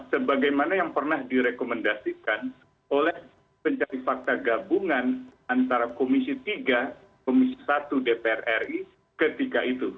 sebagaimana yang pernah direkomendasikan oleh pencari fakta gabungan antara komisi tiga komisi satu dpr ri ketika itu